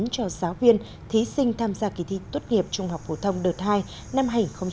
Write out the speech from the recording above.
cho giáo viên thí sinh tham gia kỳ thi tốt nghiệp trung học phổ thông đợt hai năm hai nghìn hai mươi